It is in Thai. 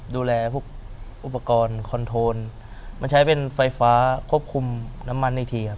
ดูแลพวกอุปกรณ์คอนโทนมาใช้เป็นไฟฟ้าควบคุมน้ำมันอีกทีครับ